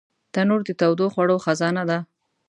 تنور د تودو خوړو خزانه ده